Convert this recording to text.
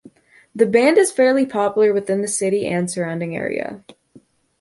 The band is fairly popular within the city and surrounding area.